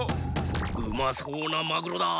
うまそうなマグロだ！